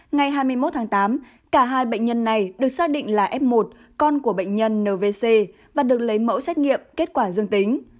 ngày hai mươi một tháng tám cả hai bệnh nhân này được xác định là f một con của bệnh nhân nvc và được lấy mẫu xét nghiệm kết quả dương tính